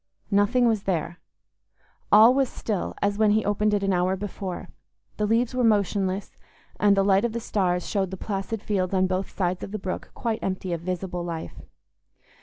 Nothing was there; all was still, as when he opened it an hour before; the leaves were motionless, and the light of the stars showed the placid fields on both sides of the brook quite empty of visible life.